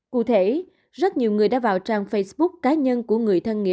cụ thể rất nhiều người đã vào trang facebook cá nhân của người thân nghĩa